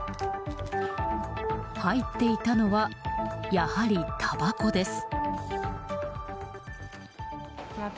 入っていたのはやはり、たばこです。